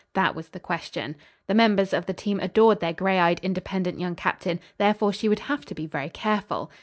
That was the question. The members of the team adored their gray eyed, independent young captain, therefore she would have to be very careful.